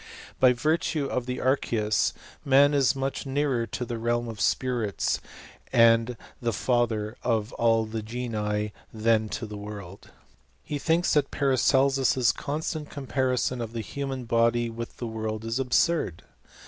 By virtue of the archeus man is much nearer to the realm of spirits and the fisiyier of all the genii, than to the world. He thinks that Paracelsus's constant comparison of the human body with the world is absurd.